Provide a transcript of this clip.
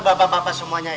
bapak bapak semuanya ya